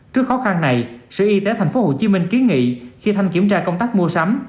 trước khó khăn này sở y tế tp hcm kiến nghị khi thanh kiểm tra công tác mua sắm